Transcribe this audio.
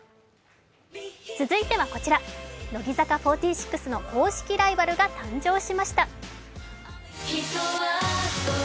続いてはこちら、乃木坂４６の公式ライバルが誕生しました。